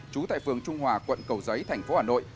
trú tại phường trung hòa quận cầu giấy tp hà nội